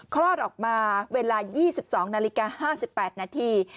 คลอดออกมาเวลา๒๒นาฬิกา๕๘นาที